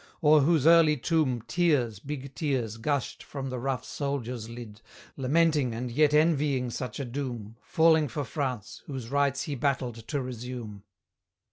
o'er whose early tomb Tears, big tears, gushed from the rough soldier's lid, Lamenting and yet envying such a doom, Falling for France, whose rights he battled to resume.